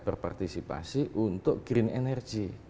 berpartisipasi untuk green energy